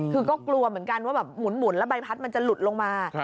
คือก็กลัวเหมือนกันว่าแบบหมุนแล้วใบพัดมันจะหลุดลงมา